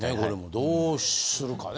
どうするかね？